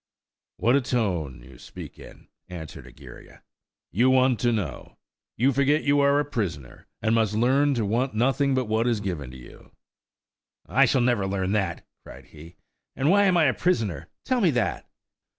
"What a tone you speak in," answered Egeria. "You want to know! You forget you are a prisoner, and must learn to want nothing but what is given you." "I shall never learn that," cried he; "and why am I a prisoner? tell me that."